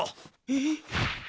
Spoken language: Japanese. えっ？